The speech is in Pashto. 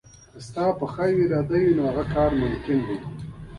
که پخه اراده شته وي، دا کار ممکن دی